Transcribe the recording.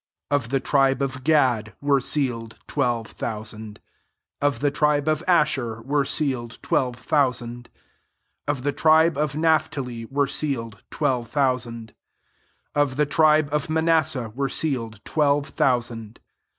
Of the tribe )f Gad [were sealed"] twelve thousand. 6 Of the tribe of Asher [were sealed] twelve thousand. Ofthe tribe of Naph tali [were sealed] twelve thou land. Of the tribe of Manasseh [were sealed} twelve thousand.